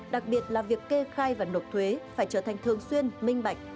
đặc biệt là việc kê khai và nộp thuế phải trở thành thường xuyên minh bạch